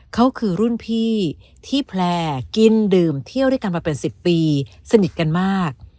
เขาคือรุ่นพี่ที่แพลร์กินดื่มเที่ยวด้วยกันมาเป็น๑๐ปีสนิทกันมาก